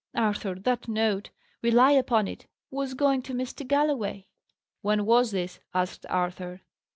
Arthur! that note, rely upon it, was going to Mr. Galloway." "When was this?" asked Arthur.